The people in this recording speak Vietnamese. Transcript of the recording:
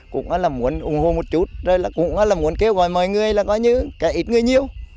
cũng có là muốn ủng hộ một chút cũng có là muốn kêu gọi mọi người là có như cả ít người nhiều